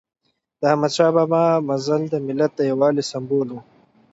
د احمد شاه بابا مزل د ملت د یووالي سمبول و.